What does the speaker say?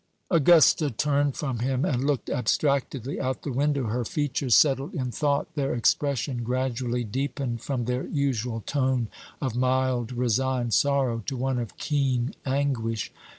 Augusta turned from him, and looked abstractedly out of the window. Her features settled in thought. Their expression gradually deepened from their usual tone of mild, resigned sorrow to one of keen anguish.